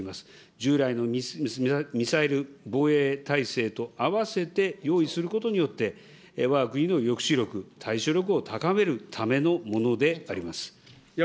従来のミサイル防衛体制とあわせて用意することによって、わが国の抑止力、対処力を高めるためのものであります。